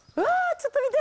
ちょっと見て！